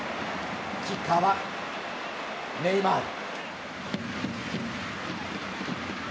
キッカーは、ネイマール。